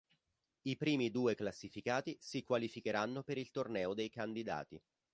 I primi due classificati si qualificheranno per il torneo dei candidati.